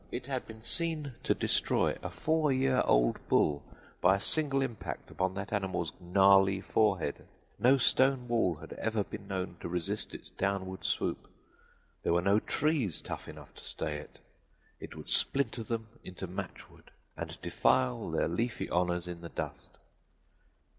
It had been seen to destroy a four year old bull by a single impact upon that animal's gnarly forehead. No stone wall had ever been known to resist its downward swoop; there were no trees tough enough to stay it; it would splinter them into matchwood and defile their leafy honors in the dust.